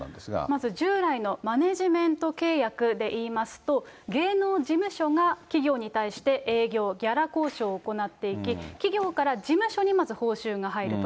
まず従来のマネジメント契約でいいますと、芸能事務所が企業に対して営業、ギャラ交渉を行っていき、企業から事務所にまず報酬が入ると。